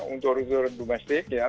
untuk domestik ya